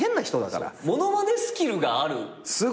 ものまねスキルがあるわけで。